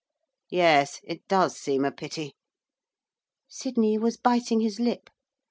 'Yes, it does seem a pity.' Sydney was biting his lip.